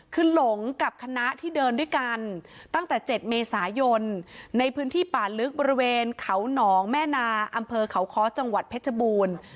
คือหลงกับคณะที่เดินด้วยกันตั้งแต่๗เมษายนในพื้นที่ป่าลึกบริเวณเขาหนองแม่นาอำเภอเขาค้อจังหวัดเพชรบูรณ์